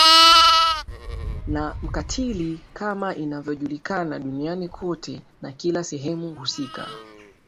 na mkatili kama inavyojulikana duniani kote na kila Sehemu husika